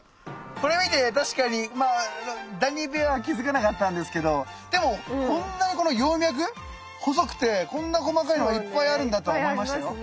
これ見て確かにダニ部屋は気付かなかったんですけどでもこんなにこの葉脈細くてこんな細かいのがいっぱいあるんだと思いましたよ。